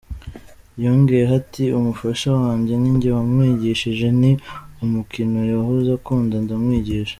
Yongeyeho ati "Umufasha wanjye ninjye wamwigishije, ni umukino yahoze akunda ndamwigisha.